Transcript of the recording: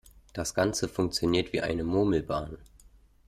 Das Ganze funktioniert wie eine Murmelbahn.